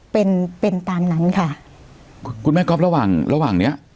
เป็นเป็นตามนั้นค่ะคุณแม่ก๊อฟระหว่างระหว่างเนี้ย